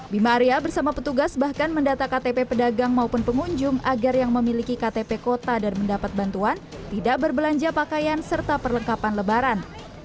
bima arya bersama petugas bahkan mendata ktp pedagang maupun pengunjung agar yang memiliki ktp kota dan mendapat bantuan tidak berbelanja pakaian serta perlengkapan lebaran